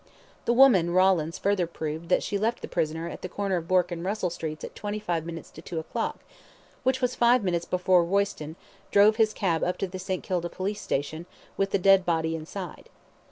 The woman Rawlins further proved that she left the prisoner at the corner of Bourke and Russell Streets at twenty five minutes to two o'clock, which was five minutes before Royston drove his cab up to the St. Kilda Police Station, with the dead body inside.